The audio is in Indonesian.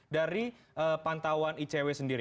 dari pantauan icw sendiri